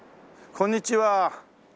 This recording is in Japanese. こんにちは。